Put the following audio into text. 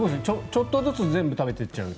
ちょっとずつ全部食べてっちゃう。